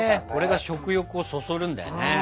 これが食欲をそそるんだよね。